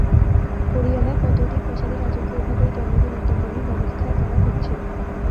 হরিয়ানায় পতৌদির প্রাসাদে রাজকীয়ভাবে এই জন্মদিন উদ্যাপনের ব্যবস্থা করা হচ্ছে।